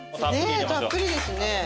ねえたっぷりですね。